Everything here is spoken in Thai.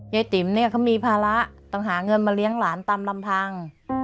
ติ๋มเนี่ยเขามีภาระต้องหาเงินมาเลี้ยงหลานตามลำพัง